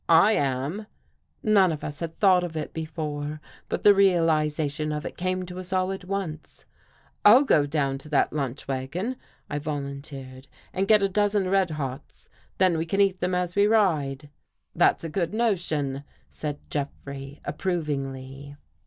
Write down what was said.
" I am." None of us had thought of it before, but the realization of it came to us all at once. " I'll go down to that lunch wagon," I volun ^ teered, " and get a dozen red hots, then we can eat them as we ride." " That's a good notion," said Jeffrey approv ingly.